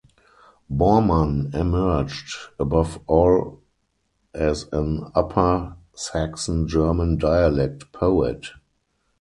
Bormann emerged above all as an Upper Saxon German dialect poet.